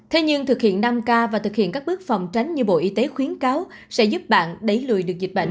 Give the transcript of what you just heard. thế nhưng thực hiện năm k và thực hiện các bước phòng tránh như bộ y tế khuyến cáo sẽ giúp bạn đẩy lùi được dịch bệnh